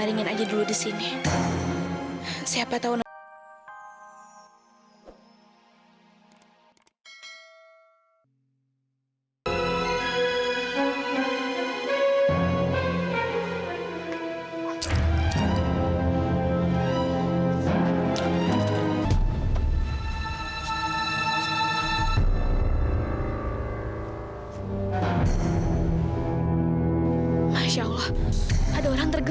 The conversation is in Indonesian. tengah dia pingsan deh